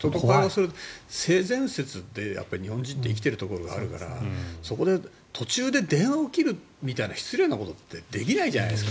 性善説で日本人って生きてるところがあるからそこで途中で電話を切るみたいな失礼なことってできないじゃないですか。